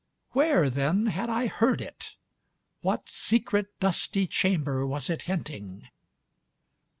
Where, then, had I heard it? ... What secret dusty chamber was it hinting?